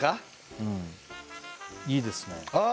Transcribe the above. うんいいですねああ